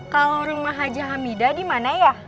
kalau rumah haji hamidah di mana ya